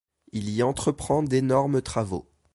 Il y entreprend d’énormes travaux.